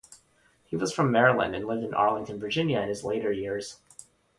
He was from Maryland and lived in Arlington, Virginia in his later years.